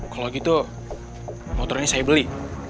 kalau gitu motor ini saya beli